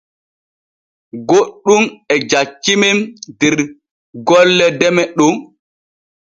Goɗɗun e jaccimen der golle deme Ɗon.